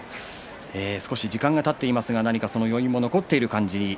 少し時間がたっていますがその余韻も残っている感じ。